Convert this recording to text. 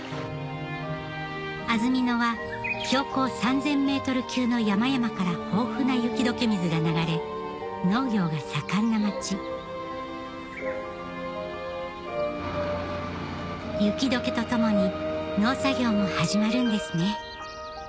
安曇野は標高３０００ｍ級の山々から豊富な雪解け水が流れ農業が盛んな町雪解けとともに農作業も始まるんですね